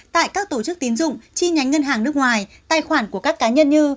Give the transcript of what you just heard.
tại các tổ chức tín dụng chi nhánh ngân hàng nước ngoài tài khoản của các cá nhân như